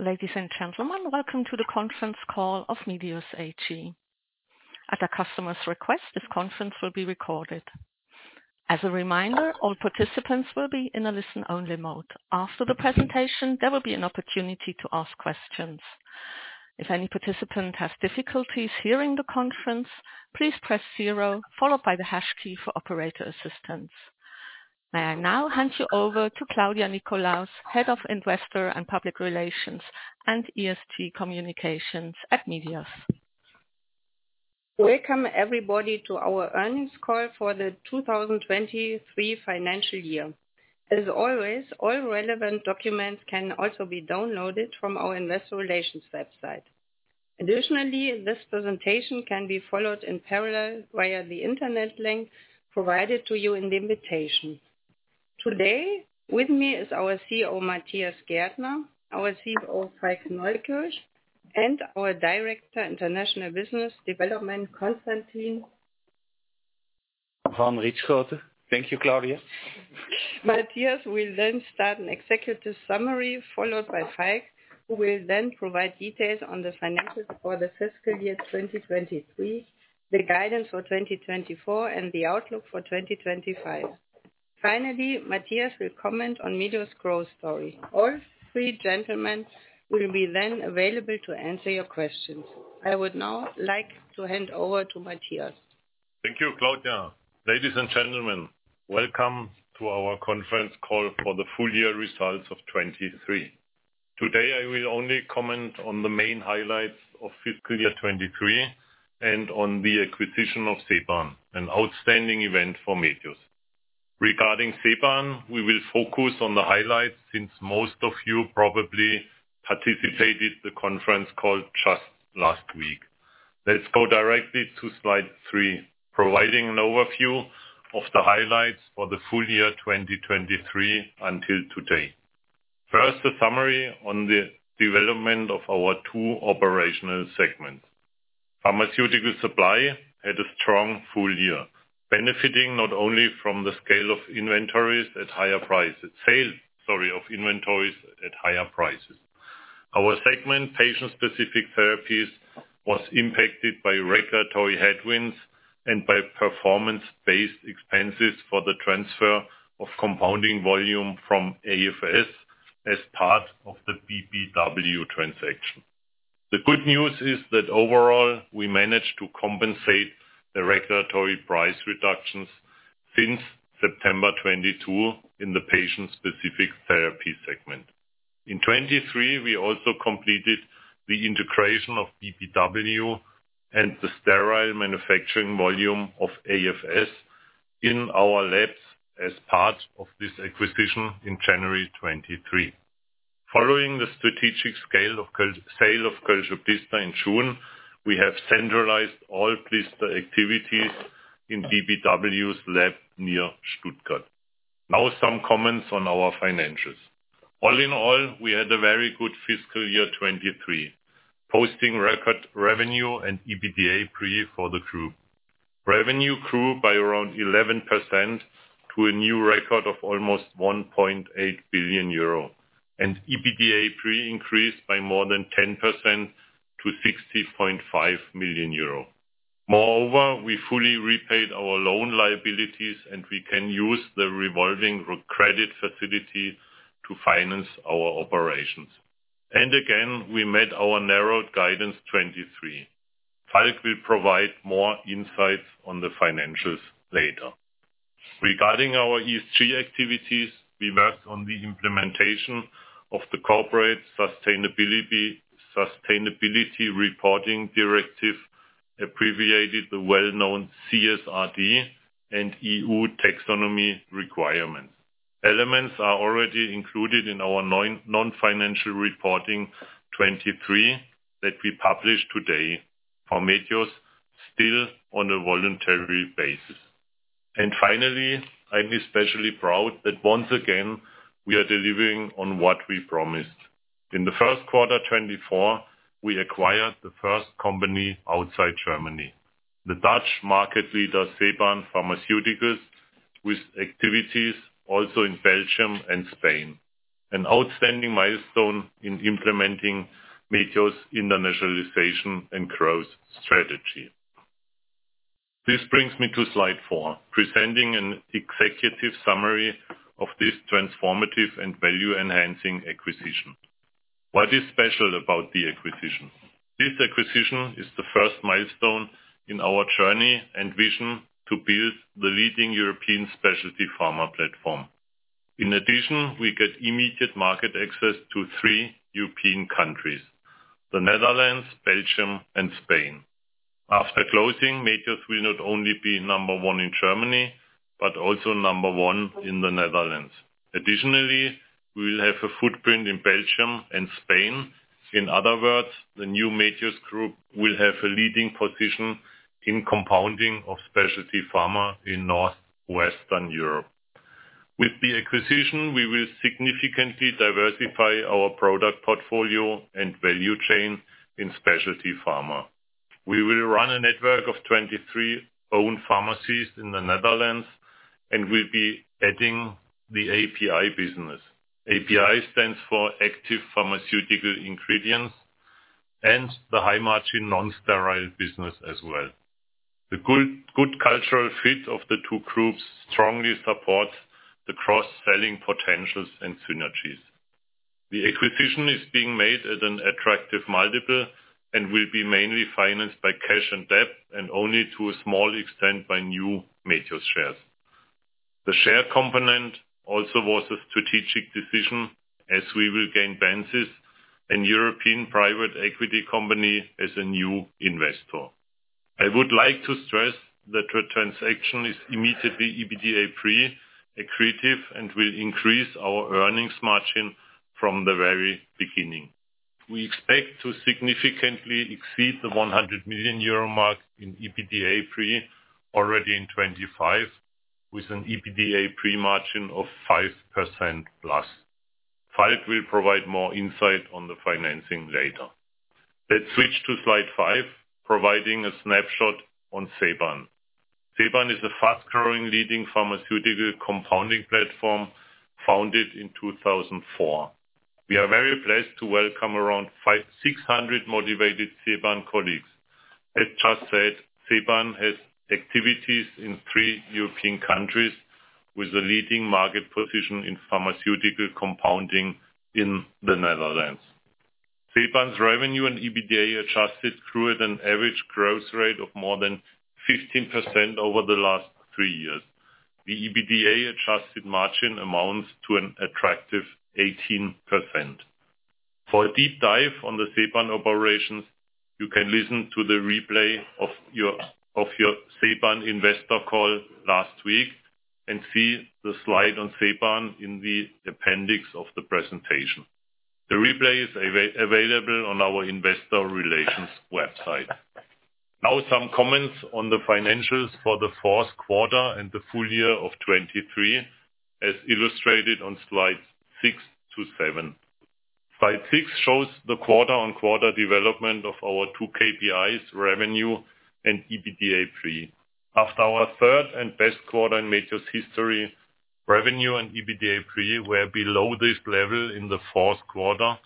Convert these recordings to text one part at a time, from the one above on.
Ladies and gentlemen, welcome to the conference call of Medios AG. At the customer's request, this conference will be recorded. As a reminder, all participants will be in a listen-only mode. After the presentation, there will be an opportunity to ask questions. If any participant has difficulties hearing the conference, please press 0 followed by the hash key for operator assistance. May I now hand you over to Claudia Nickolaus, Head of Investor and Public Relations and ESG Communications at Medios? Welcome everybody to our earnings call for the 2023 financial year. As always, all relevant documents can also be downloaded from our Investor Relations website. Additionally, this presentation can be followed in parallel via the internet link provided to you in the invitation. Today with me is our CEO Matthias Gärtner, our CFO Falk Neukirch, and our Director International Business Development, Konstantin. Thank you, Claudia. Matthias will then start an executive summary followed by Falk, who will then provide details on the financials for the fiscal year 2023, the guidance for 2024, and the outlook for 2025. Finally, Matthias will comment on Medios' growth story. All three gentlemen will be then available to answer your questions. I would now like to hand over to Matthias. Thank you, Claudia. Ladies and gentlemen, welcome to our conference call for the full year results of 2023. Today I will only comment on the main highlights of fiscal year 2023 and on the acquisition of CBAN, an outstanding event for Medios. Regarding CBAN, we will focus on the highlights since most of you probably participated in the conference call just last week. Let's go directly to slide 3, providing an overview of the highlights for the full year 2023 until today. First, a summary on the development of our two operational segments. Pharmaceutical supply had a strong full year, benefiting not only from the scale of inventories at higher prices sales, sorry, of inventories at higher prices. Our segment, patient-specific therapies, was impacted by regulatory headwinds and by performance-based expenses for the transfer of compounding volume from AfS as part of the BBW transaction. The good news is that overall, we managed to compensate the regulatory price reductions since September 2022 in the patient-specific therapy segment. In 2023, we also completed the integration of BBW and the sterile manufacturing volume of AFS in our labs as part of this acquisition in January 2023. Following the strategic sale of Kölsche Blister in June 2023, we have centralized all blister activities in BBW's lab near Stuttgart. Now some comments on our financials. All in all, we had a very good fiscal year 2023, posting record revenue and EBITDA pre for the group. Revenue grew by around 11% to a new record of almost 1.8 billion euro, and EBITDA pre increased by more than 10% to 60.5 million euro. Moreover, we fully repaid our loan liabilities, and we can use the revolving credit facility to finance our operations. And again, we met our narrowed guidance 2023. Falk will provide more insights on the financials later. Regarding our ESG activities, we worked on the implementation of the Corporate Sustainability Reporting Directive, abbreviated the well-known CSRD, and EU taxonomy requirements. Elements are already included in our non-financial reporting 2023 that we publish today for Medios, still on a voluntary basis. And finally, I'm especially proud that once again we are delivering on what we promised. In the Q1 2024, we acquired the first company outside Germany, the Dutch market leader CBAN Pharmaceuticals, with activities also in Belgium and Spain, an outstanding milestone in implementing Medios' internationalization and growth strategy. This brings me to slide 4, presenting an executive summary of this transformative and value-enhancing acquisition. What is special about the acquisition? This acquisition is the first milestone in our journey and vision to build the leading European specialty pharma platform. In addition, we get immediate market access to three European countries: the Netherlands, Belgium, and Spain. After closing, Medios will not only be number one in Germany but also number one in the Netherlands. Additionally, we will have a footprint in Belgium and Spain. In other words, the new Medios group will have a leading position in compounding of specialty pharma in Northwestern Europe. With the acquisition, we will significantly diversify our product portfolio and value chain in specialty pharma. We will run a network of 23 owned pharmacies in the Netherlands and will be adding the API business. API stands for Active Pharmaceutical Ingredients and the High Margin Non-Sterile business as well. The good cultural fit of the two groups strongly supports the cross-selling potentials and synergies. The acquisition is being made at an attractive multiple and will be mainly financed by cash and debt and only to a small extent by new Medios shares. The share component also was a strategic decision as we will gain Bencis, a European private equity company, as a new investor. I would like to stress that the transaction is immediately EBITDA pre accretive and will increase our earnings margin from the very beginning. We expect to significantly exceed the 100 million euro mark in EBITDA pre already in 2025, with an EBITDA pre margin of 5%+. Falk will provide more insight on the financing later. Let's switch to slide 5, providing a snapshot on CBAN. CBAN is a fast-growing leading pharmaceutical compounding platform founded in 2004. We are very pleased to welcome around 5,600 motivated CBAN colleagues. As just said, CBAN has activities in three European countries with a leading market position in pharmaceutical compounding in the Netherlands. CBAN's revenue and EBITDA adjusted grew at an average growth rate of more than 15% over the last three years. The EBITDA adjusted margin amounts to an attractive 18%. For a deep dive on the CBAN operations, you can listen to the replay of our CBAN investor call last week and see the slide on CBAN in the appendix of the presentation. The replay is available on our Investor Relations website. Now some comments on the financials for the Q4 and the full year of 2023 as illustrated on slides 6-7. Slide 6 shows the quarter-on-quarter development of our two KPIs, revenue and EBITDA pre. After our third and best quarter in Medios history, revenue and EBITDA pre were below this level in the Q4,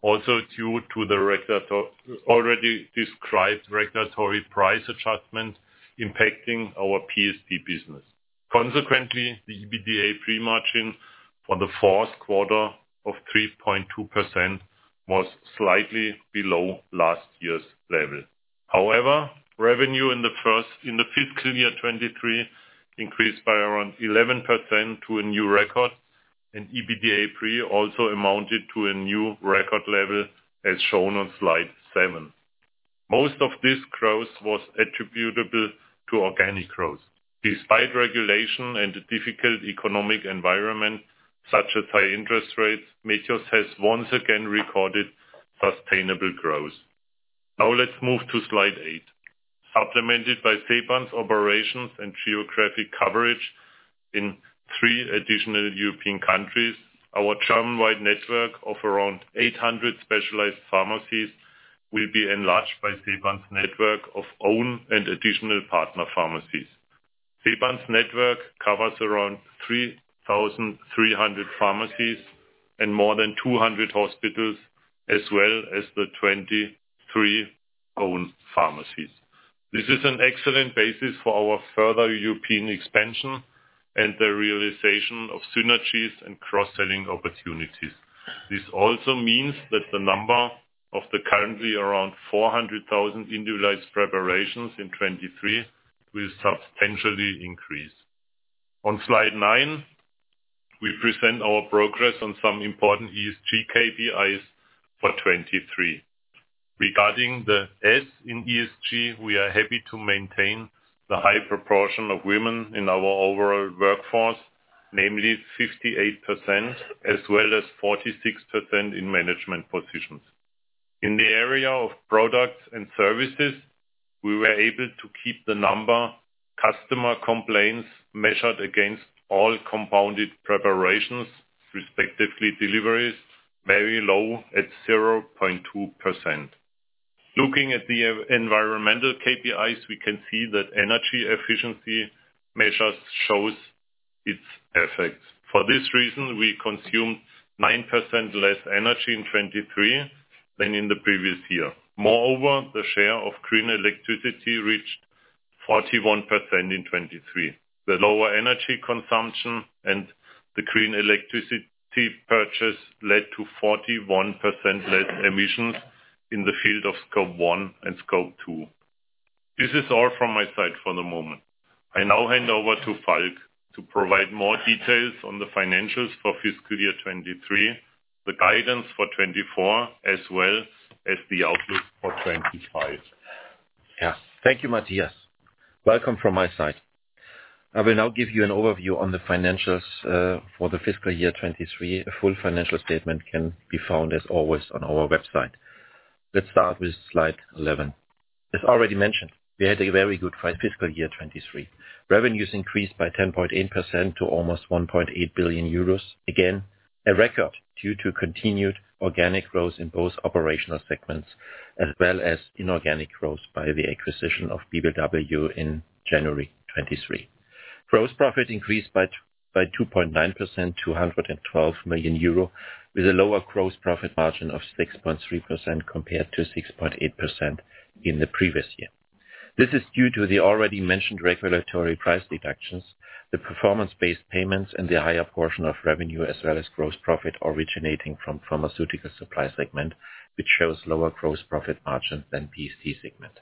also due to the already described regulatory price adjustment impacting our PSP business. Consequently, the EBITDA pre margin for the Q4 of 3.2% was slightly below last year's level. However, revenue in the first nine months of the fiscal year 2023 increased by around 11% to a new record, and EBITDA pre also amounted to a new record level as shown on slide 7. Most of this growth was attributable to organic growth. Despite regulation and a difficult economic environment such as high interest rates, Medios has once again recorded sustainable growth. Now let's move to slide 8. Supplemented by CBAN's operations and geographic coverage in three additional European countries, our German-wide network of around 800 specialized pharmacies will be enlarged by CBAN's network of owned and additional partner pharmacies. CBAN's network covers around 3,300 pharmacies and more than 200 hospitals as well as the 23 owned pharmacies. This is an excellent basis for our further European expansion and the realization of synergies and cross-selling opportunities. This also means that the number of the currently around 400,000 individualized preparations in 2023 will substantially increase. On slide 9, we present our progress on some important ESG KPIs for 2023. Regarding the S in ESG, we are happy to maintain the high proportion of women in our overall workforce, namely 58%, as well as 46% in management positions. In the area of products and services, we were able to keep the number customer complaints measured against all compounded preparations, respectively deliveries, very low at 0.2%. Looking at the environmental KPIs, we can see that energy efficiency measures show its effects. For this reason, we consumed 9% less energy in 2023 than in the previous year. Moreover, the share of green electricity reached 41% in 2023. The lower energy consumption and the green electricity purchase led to 41% less emissions in the field of Scope 1 and Scope 2. This is all from my side for the moment. I now hand over to Falk to provide more details on the financials for fiscal year 2023, the guidance for 2024, as well as the outlook for 2025. Yeah. Thank you, Matthias. Welcome from my side. I will now give you an overview on the financials, for the fiscal year 2023. A full financial statement can be found, as always, on our website. Let's start with slide 11. As already mentioned, we had a very good fiscal year 2023. Revenues increased by 10.8% to almost 1.8 billion euros, again, a record due to continued organic growth in both operational segments as well as inorganic growth by the acquisition of BBW in January 2023. Gross profit increased by 2.9% to 112 million euro, with a lower gross profit margin of 6.3% compared to 6.8% in the previous year. This is due to the already mentioned regulatory price deductions, the performance-based payments, and the higher portion of revenue as well as gross profit originating from pharmaceutical supply segment, which shows lower gross profit margins than PSP segment.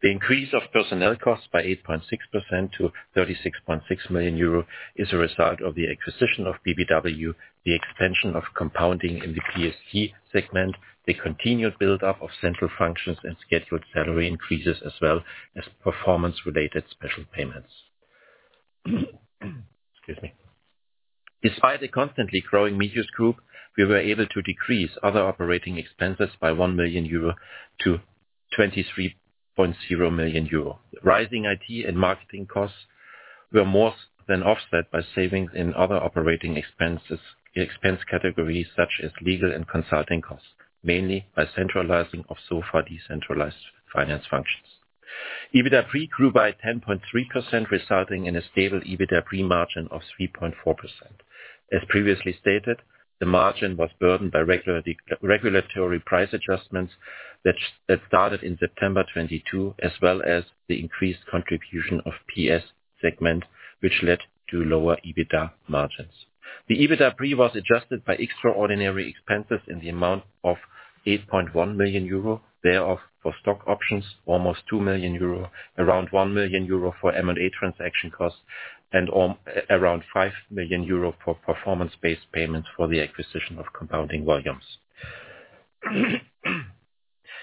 The increase of personnel costs by 8.6% to 36.6 million euro is a result of the acquisition of BBW, the expansion of compounding in the PSP segment, the continued buildup of central functions and scheduled salary increases as well as performance-related special payments. Excuse me. Despite a constantly growing Medios group, we were able to decrease other operating expenses by 1 million euro to 23.0 million euro. Rising IT and marketing costs were more than offset by savings in other operating expenses categories such as legal and consulting costs, mainly by centralizing of so far decentralized finance functions. EBITDA pre grew by 10.3%, resulting in a stable EBITDA pre margin of 3.4%. As previously stated, the margin was burdened by regulatory price adjustments that started in September 2022 as well as the increased contribution of PS segment, which led to lower EBITDA margins. The EBITDA pre was adjusted by extraordinary expenses in the amount of 8.1 million euro, thereof for stock options almost 2 million euro, around 1 million euro for M&A transaction costs, and all around 5 million euro for performance-based payments for the acquisition of compounding volumes.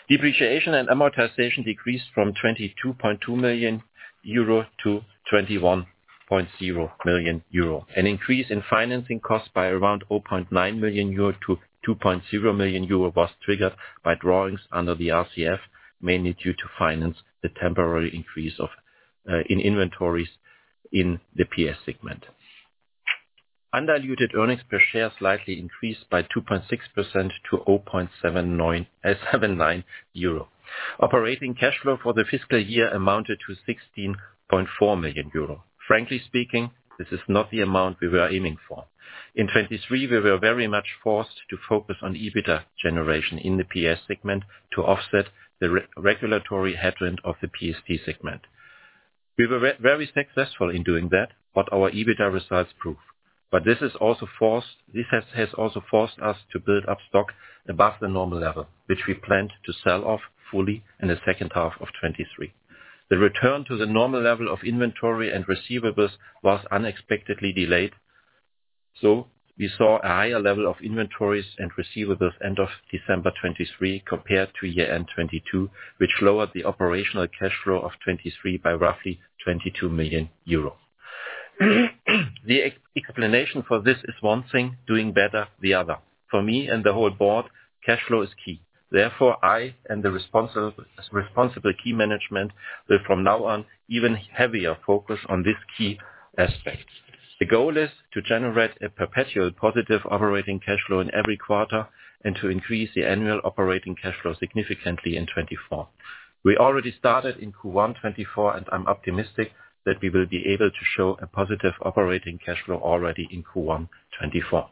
Depreciation and amortization decreased from 22.2 million euro to 21.0 million euro. An increase in financing costs by around 0.9 million euro to 2.0 million euro was triggered by drawings under the RCF, mainly due to finance the temporary increase of in inventories in the PS segment. Undiluted earnings per share slightly increased by 2.6% to EUR 0.79. Operating cash flow for the fiscal year amounted to 16.4 million euro. Frankly speaking, this is not the amount we were aiming for. In 2023, we were very much forced to focus on EBITDA generation in the PS segment to offset the regulatory headwind of the PSP segment. We were very successful in doing that, what our EBITDA results proved. But this has also forced us to build up stock above the normal level, which we planned to sell off fully in the second half of 2023. The return to the normal level of inventory and receivables was unexpectedly delayed. So we saw a higher level of inventories and receivables end of December 2023 compared to year-end 2022, which lowered the operational cash flow of 2023 by roughly 22 million euro. The explanation for this is one thing, doing better the other. For me and the whole board, cash flow is key. Therefore, I and the responsible key management will from now on even heavier focus on this key aspect. The goal is to generate a perpetual positive operating cash flow in every quarter and to increase the annual operating cash flow significantly in 2024. We already started in Q1 2024, and I'm optimistic that we will be able to show a positive operating cash flow already in Q1 2024.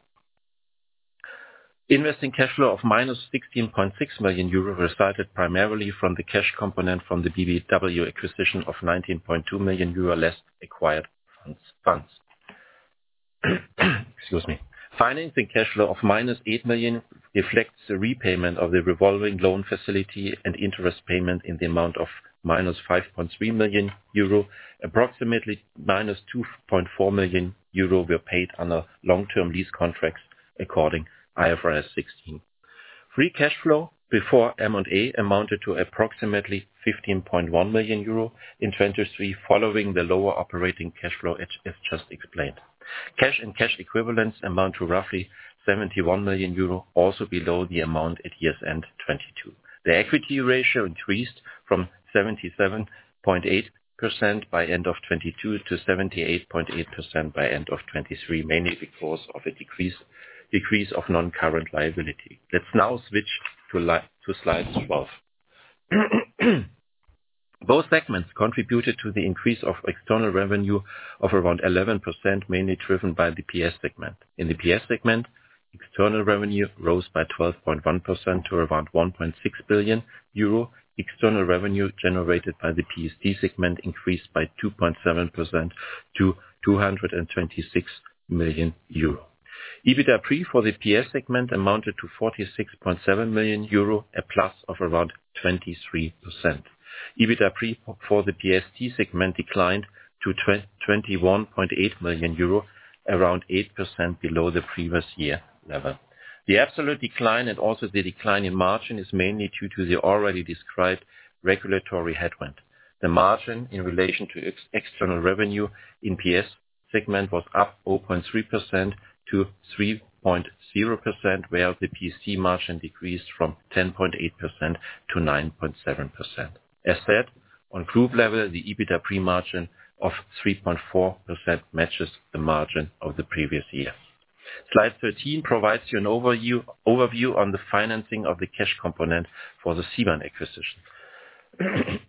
Investing cash flow of -16.6 million euro resulted primarily from the cash component from the BBW acquisition of 19.2 million euro less acquired funds. Excuse me. Financing cash flow of -8 million reflects the repayment of the revolving loan facility and interest payment in the amount of -5.3 million euro. Approximately -2.4 million euro were paid under long-term lease contracts according to IFRS 16. Free cash flow before M&A amounted to approximately 15.1 million euro in 2023 following the lower operating cash flow as just explained. Cash and cash equivalents amount to roughly 71 million euro, also below the amount at year's end 2022. The equity ratio increased from 77.8% by end of 2022 to 78.8% by end of 2023, mainly because of a decrease of non-current liability. Let's now switch to slide 12. Both segments contributed to the increase of external revenue of around 11%, mainly driven by the PS segment. In the PS segment, external revenue rose by 12.1% to around 1.6 billion euro. External revenue generated by the PSP segment increased by 2.7% to 226 million euro. EBITDA pre for the PS segment amounted to 46.7 million euro, a plus of around 23%. EBITDA pre for the PSP segment declined to 21.8 million euro, around 8% below the previous year level. The absolute decline and also the decline in margin is mainly due to the already described regulatory headwind. The margin in relation to external revenue in PS segment was up 0.3% to 3.0%, whereas the PSP margin decreased from 10.8% to 9.7%. As said, on group level, the EBITDA pre margin of 3.4% matches the margin of the previous year. Slide 13 provides you an overview on the financing of the cash component for the CBAN acquisition.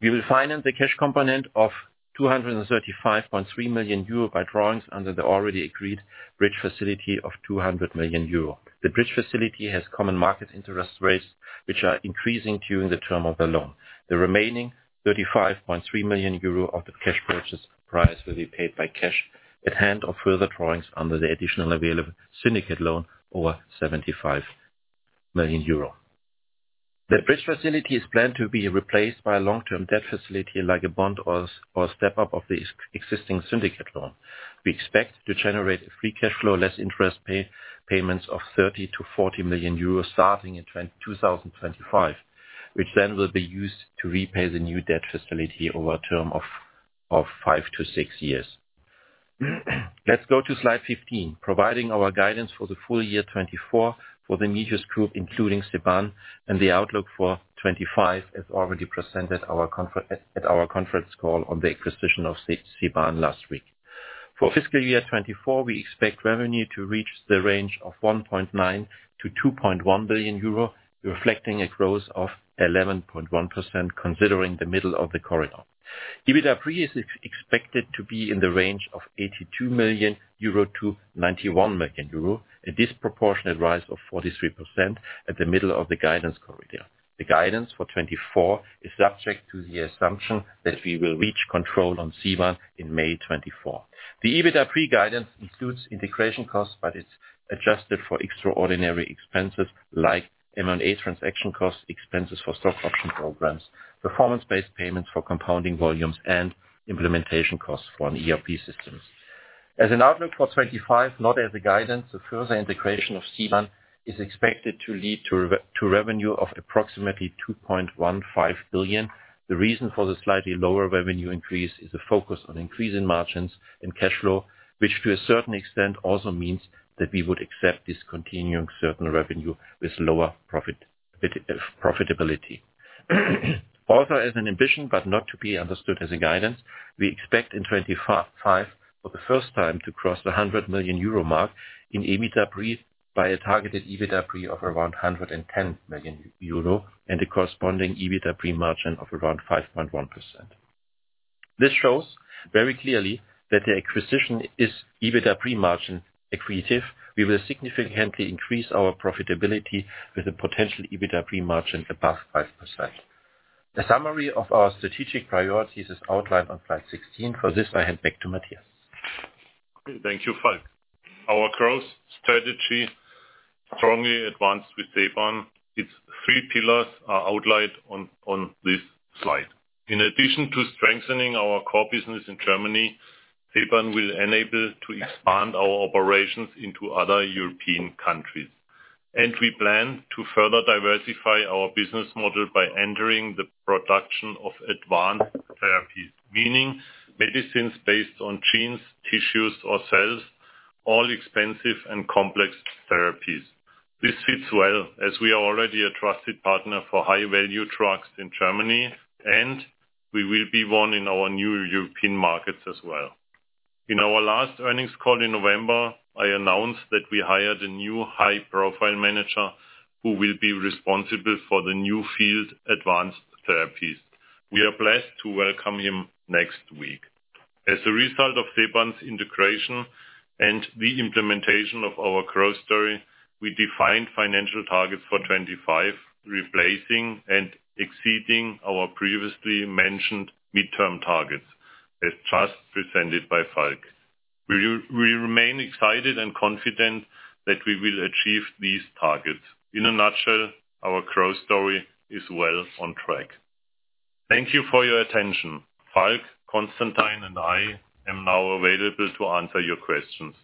We will finance the cash component of 235.3 million euro by drawings under the already agreed bridge facility of 200 million euro. The bridge facility has common market interest rates, which are increasing during the term of the loan. The remaining 35.3 million euro of the cash purchase price will be paid by cash at hand of further drawings under the additional available syndicate loan over 75 million euro. The bridge facility is planned to be replaced by a long-term debt facility like a bond or step-up of the existing syndicate loan. We expect to generate a free cash flow less interest payments of 30 million-40 million euros starting in 2025, which then will be used to repay the new debt facility over a term of five to six years. Let's go to slide 15, providing our guidance for the full year 2024 for the Medios group, including CBAN, and the outlook for 2025 as already presented at our conference call on the acquisition of CBAN last week. For fiscal year 2024, we expect revenue to reach the range of 1.9 billion-2.1 billion euro, reflecting a growth of 11.1% considering the middle of the corridor. EBITDA pre is expected to be in the range of 82 million-91 million euro, a disproportionate rise of 43% at the middle of the guidance corridor. The guidance for 2024 is subject to the assumption that we will reach control on CBAN in May 2024. The EBITDA pre guidance includes integration costs, but it's adjusted for extraordinary expenses like M&A transaction costs, expenses for stock option programs, performance-based payments for compounding volumes, and implementation costs for an ERP system. As an outlook for 2025, not as a guidance, the further integration of CBAN is expected to lead to revenue of approximately 2.15 billion. The reason for the slightly lower revenue increase is a focus on increase in margins and cash flow, which to a certain extent also means that we would accept discontinuing certain revenue with lower profitability. Also, as an ambition but not to be understood as a guidance, we expect in 2025 for the first time to cross the 100 million euro mark in EBITDA pre by a targeted EBITDA pre of around 110 million euro and a corresponding EBITDA pre margin of around 5.1%. This shows very clearly that the acquisition is EBITDA pre margin accretive. We will significantly increase our profitability with a potential EBITDA pre margin above 5%. A summary of our strategic priorities is outlined on slide 16. For this, I hand back to Matthias. Thank you, Falk. Our growth strategy strongly advanced with CBAN. Its three pillars are outlined on this slide. In addition to strengthening our core business in Germany, CBAN will enable to expand our operations into other European countries. We plan to further diversify our business model by entering the production of advanced therapies, meaning medicines based on genes, tissues, or cells, all expensive and complex therapies. This fits well as we are already a trusted partner for high-value drugs in Germany, and we will be one in our new European markets as well. In our last earnings call in November, I announced that we hired a new high-profile manager who will be responsible for the new field, advanced therapies. We are blessed to welcome him next week. As a result of CBAN's integration and the implementation of our growth story, we defined financial targets for 2025, replacing and exceeding our previously mentioned midterm targets as just presented by Falk. We remain excited and confident that we will achieve these targets. In a nutshell, our growth story is well on track. Thank you for your attention. Falk, Konstantin, and I am now available to answer your questions.